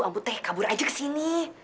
amputnya kabur aja kesini